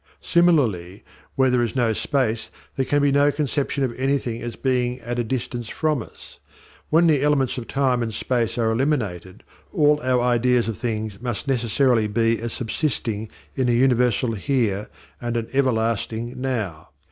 Similarly where there is no space there can be no conception of anything as being at a distance from us. When the elements of time and space are eliminated all our ideas of things must necessarily be as subsisting in a universal here and an everlasting now.